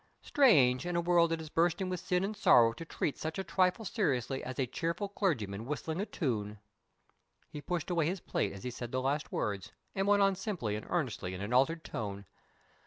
Strange, in a world that is bursting with sin and sorrow, to treat such a trifle seriously as a cheerful clergyman whistling a tune!" He pushed away his plate as he said the last words, and went on simply and earnestly in an altered tone.